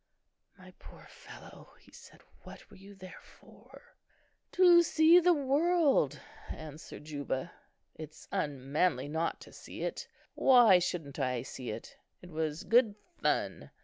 "My poor fellow," he said, "what were you there for?" "To see the world," answered Juba; "it's unmanly not to see it. Why shouldn't I see it? It was good fun.